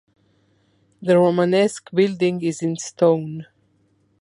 The Romanesque building is in stone.